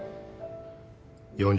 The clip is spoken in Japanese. ４０